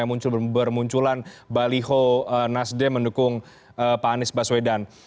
jogjakarta juga mulai bermunculan baliho nasdem mendukung pak anies baswedan